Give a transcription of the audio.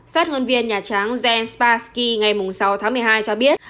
phát ngôn viên nhà tráng jen sparsky ngày sáu tháng một mươi hai cho biết